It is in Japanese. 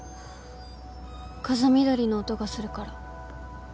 風見鶏の音がするから。